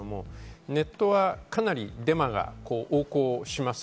ネットはかなりデマが横行します。